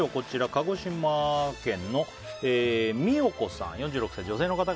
鹿児島県、４６歳、女性の方。